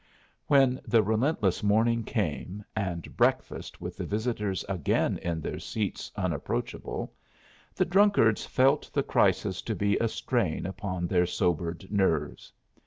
When the relentless morning came, and breakfast with the visitors again in their seats unapproachable, the drunkards felt the crisis to be a strain upon their sobered nerves.